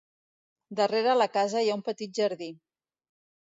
Darrere la casa hi ha un petit jardí.